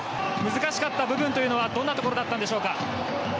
難しかった部分というのはどんなところだったんでしょう？